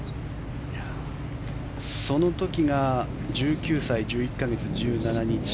その時が１９歳１１か月１７日。